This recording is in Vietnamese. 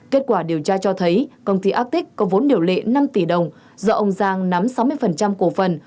kết quả điều tra cho thấy công ty actic có vốn điều lệ năm tỷ đồng do ông giang nắm sáu mươi cổ phần